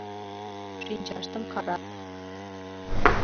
Шинчаштым карат...